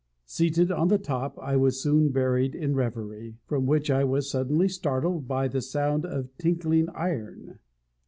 Seated on the top, I_ was soon buried in a reverie, from which I was suddenly startled by the sound of tinkling iron.